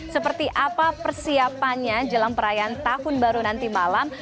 seperti apa persiapannya jelang perayaan tahun baru nanti malam